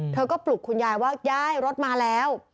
เธอก็ปลุกคุณยายว่ายายรถมาแล้ว